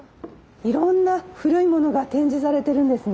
いろんな古いものが展示されてるんですね。